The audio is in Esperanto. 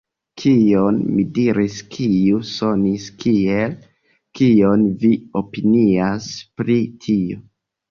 Kion mi diris kiu sonis kiel “kion vi opinias pri tio”?